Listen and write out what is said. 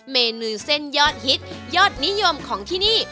เมนูเส้นยอดฮิตยอดนิยมของที่นี่